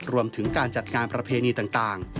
รวมถึงการจัดงานประเพณีต่าง